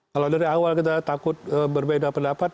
kalau dari awal kita takut berbeda pendapat